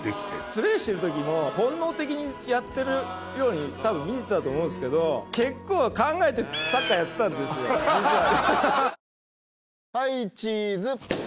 プレーしてる時も本能的にやってるように多分見えてたと思うんすけど結構考えてサッカーやってたんですよ実は。